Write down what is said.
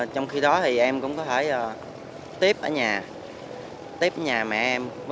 trong khi đó em cũng có thể tiếp ở nhà mẹ em